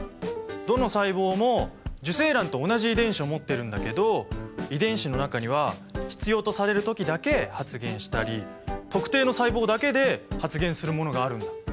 どの細胞も受精卵と同じ遺伝子を持ってるんだけど遺伝子の中には必要とされる時だけ発現したり特定の細胞だけで発現するものがあるんだ。